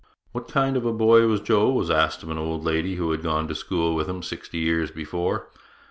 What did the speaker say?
'What kind of a boy was Joe?' was asked of an old lady who had gone to school with him sixty years before.